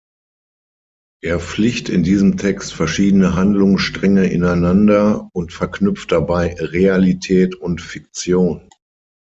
Er flicht in diesem Text verschiedene Handlungsstränge ineinander und verknüpft dabei Realität und Fiktion.